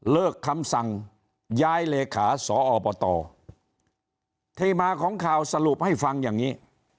คำสั่งย้ายเลขาสอบตที่มาของข่าวสรุปให้ฟังอย่างนี้